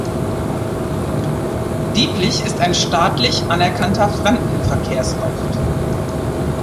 Dieblich ist ein staatlich anerkannter Fremdenverkehrsort.